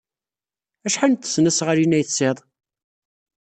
Acḥal n tesnasɣalin ay tesɛid?